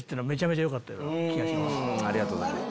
ありがとうございます。